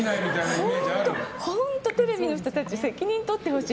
テレビの人たち責任を取ってほしい。